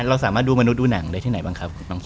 เราสามารถดูมนุษย์ดูหนังได้ที่ไหนบ้างครับ